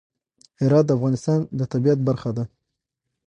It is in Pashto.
هرات د افغانستان د طبیعت برخه ده.